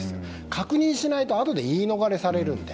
確認しないとあとで言い逃れされるので。